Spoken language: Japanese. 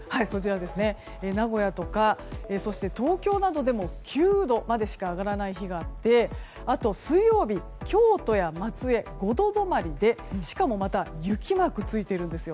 名古屋とか東京などでも９度までしか上がらない日がありあと、水曜日京都や松江、５度止まりでしかも雪マークついているんですよ。